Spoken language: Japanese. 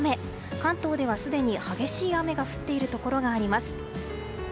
関東ではすでに激しい雨が降っているところがあります。